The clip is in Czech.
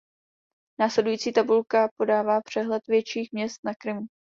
Následující tabulka podává přehled větších měst na Krymu.